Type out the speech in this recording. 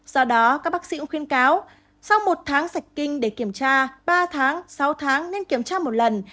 do đó các bác sĩ cũng khuyên cáo sau một tháng sạch kinh để kiểm tra ba tháng sáu tháng nên kiểm tra một lần